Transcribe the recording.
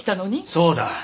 そうだ！